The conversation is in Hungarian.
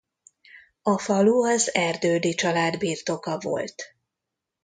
A falu az Erdődy család birtoka volt.